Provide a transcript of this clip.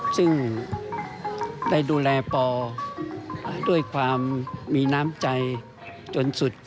ซึ่งได้ดูแลปอด้วยความมีน้ำใจจนสุด